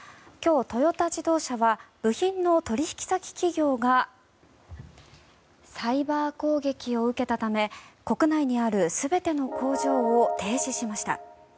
今日、トヨタ自動車は部品の取引先企業がサイバー攻撃を受けたため国内にある全ての工場を停止しました。